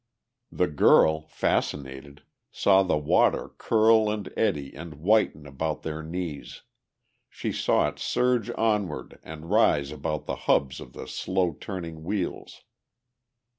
The girl, fascinated, saw the water curl and eddy and whiten about their knees; she saw it surge onward and rise about the hubs of the slow turning wheels.